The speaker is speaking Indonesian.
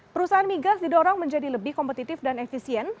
perusahaan migas didorong menjadi lebih kompetitif dan efisien